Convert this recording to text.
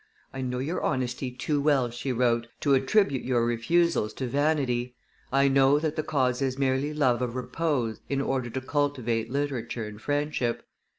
"I know your honesty too well," she wrote, "to attribute your refusals to vanity; I know that the cause is merely love of repose in order to cultivate literature and friendship.